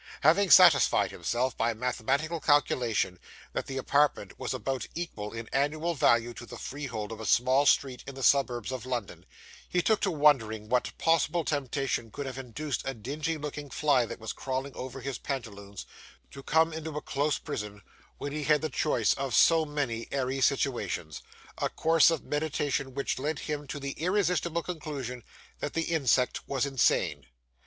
Having satisfied himself, by mathematical calculation, that the apartment was about equal in annual value to the freehold of a small street in the suburbs of London, he took to wondering what possible temptation could have induced a dingy looking fly that was crawling over his pantaloons, to come into a close prison, when he had the choice of so many airy situations a course of meditation which led him to the irresistible conclusion that the insect was insane.